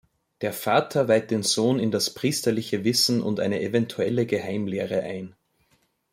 Der Vater weiht den Sohn in das priesterliche Wissen und eine eventuelle Geheimlehre ein.